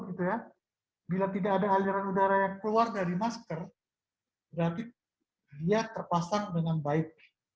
bila tidak ada aliran udara yang keluar dari masker berarti dia terpasang dengan baik